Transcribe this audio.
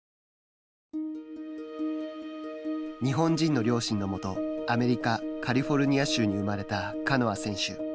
日本人の両親のもとアメリカ、カリフォルニア州に生まれたカノア選手。